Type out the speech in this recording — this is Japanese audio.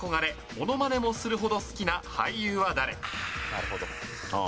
なるほど。